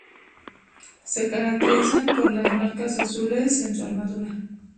Se caracterizan por las marcas azules en su armadura.